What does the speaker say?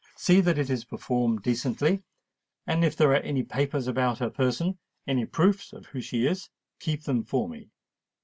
See that it is performed decently; and if there are any papers about her person—any proofs of who she is—keep them for me.